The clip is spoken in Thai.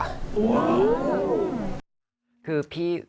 อว้าว